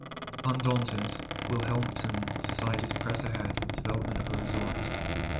Undaunted, Wilhelmsen decided to press ahead with development of a resort.